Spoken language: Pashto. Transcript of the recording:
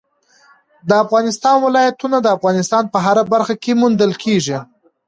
د افغانستان ولايتونه د افغانستان په هره برخه کې موندل کېږي.